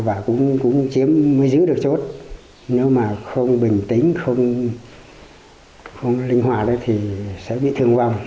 và cũng mới giữ được chốt nếu mà không bình tĩnh không linh hoạt thì sẽ bị thương vong